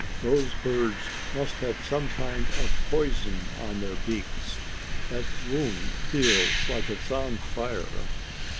"Those birds must have some kind of poison on their beaks. That wound feels like it's on fire."